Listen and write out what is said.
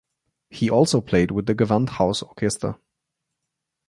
He also played with the Gewandhausorchester.